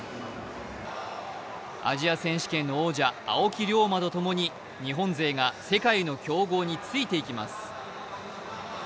アジア選手権の王者、青木涼真とともに世界の強豪について行きます。